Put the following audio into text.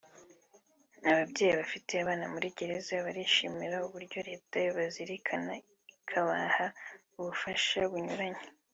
Ababyeyi bafite abana muri Gereza barishimira uburyo Leta ibazirikana ikabaha ubufasha bunyuranye